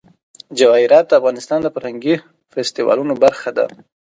جواهرات د افغانستان د فرهنګي فستیوالونو برخه ده.